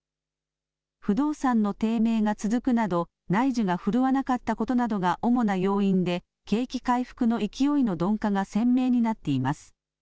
不動産の低迷が続くなど内需が振るわなかったことなどが主な要因で景気回復の勢いの鈍化が鮮明になっています。